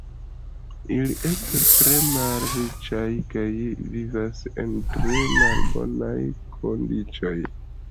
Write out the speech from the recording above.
Ili estas tre malriĉaj kaj vivas en tre malbonaj kondiĉoj.